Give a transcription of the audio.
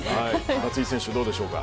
松井選手、どうでしょうか。